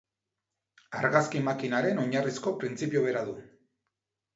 Argazki makinaren oinarrizko printzipio bera du.